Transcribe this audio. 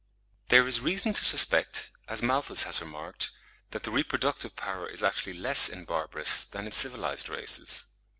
There is reason to suspect, as Malthus has remarked, that the reproductive power is actually less in barbarous, than in civilised races.